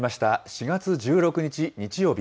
４月１６日日曜日